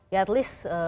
ya at least